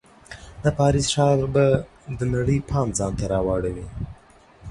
د پاریس ښار به د نړۍ پام ځان ته راواړوي.